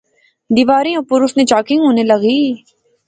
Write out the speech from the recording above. دیواریں اپر اس نی چاکنگ ہونے لغی